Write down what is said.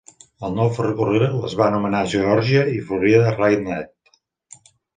El nou ferrocarril es va anomenar Georgia i Florida RailNet.